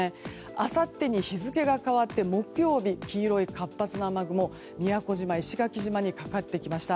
あさってに日付が変わって木曜日、黄色い活発な雨雲宮古島、石垣島にかかってきました。